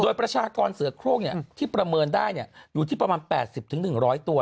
โดยประชากรเสือโครงที่ประเมินได้อยู่ที่ประมาณ๘๐๑๐๐ตัว